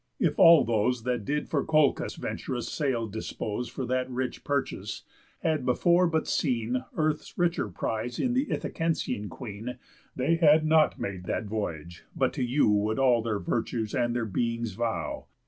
If all those, That did for Colchos vent'rous sail dispose For that rich purchase, had before but seen Earth's richer prize in th' Ithacensian Queen, They had not made that voyage, but to you Would all their virtues and their beings vow.